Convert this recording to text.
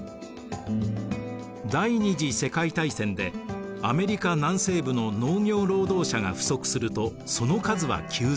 第二次世界大戦でアメリカ南西部の農業労働者が不足するとその数は急増。